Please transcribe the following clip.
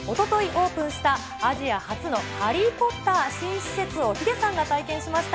オープンした、アジア初のハリー・ポッター新施設をヒデさんが体験しました。